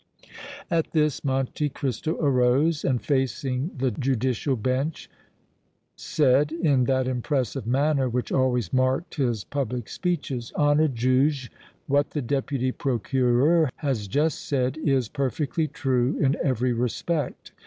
At this Monte Cristo arose and facing the judicial bench said, in that impressive manner which always marked his public speeches: "Honored Juge, what the Deputy Procureur has just said is perfectly true in every respect.